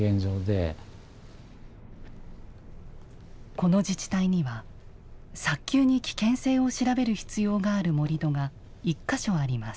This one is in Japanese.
この自治体には早急に危険性を調べる必要がある盛土が１か所あります。